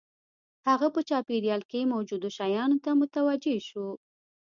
هغه په چاپېريال کې موجودو شیانو ته متوجه شو